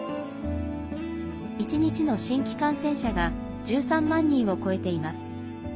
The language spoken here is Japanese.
１日の新規感染者が１３万人を超えています。